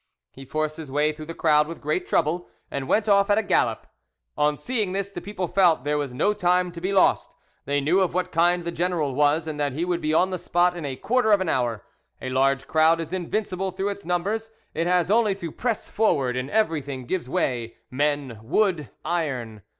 He forced his way through the crowd with great trouble, and went off at a gallop. On seeing this, the people felt there was no time to be lost; they knew of what kind the general was, and that he would be on the spot in a quarter of an hour. A large crowd is invincible through its numbers; it has only to press forward, and everything gives way, men, wood, iron.